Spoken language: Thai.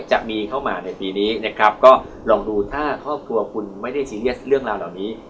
จะมีเข้ามาในปีนี้นะครับก็ลองดูถ้าครอบครัวคุณไม่ได้ซีเรียสเรื่องราวเหล่านี้